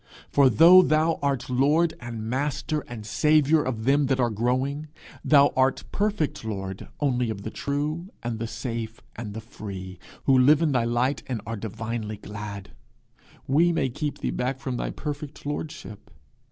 For though thou art lord and master and saviour of them that are growing, thou art perfect lord only of the true and the safe and the free, who live in thy light and are divinely glad: we keep thee back from thy perfect lordship.